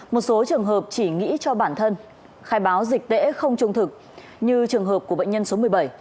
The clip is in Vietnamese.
một số trường hợp chỉ nghĩ cho bản thân khai báo dịch tễ không trung thực như trường hợp của bệnh nhân số một mươi bảy